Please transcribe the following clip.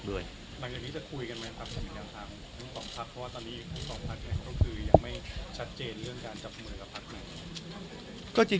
เจนเรื่องการจับมือกับภาคหนึ่ง